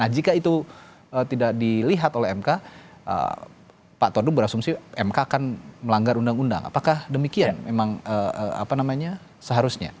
jika itu tidak dilihat oleh mk pak todung berasumsi mk akan melanggar undang undang apakah demikian memang apa namanya seharusnya